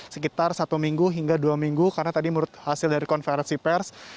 sekitar satu minggu hingga dua minggu karena tadi menurut hasil dari konferensi pers